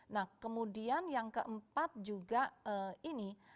nah kemudian yang keempat juga ini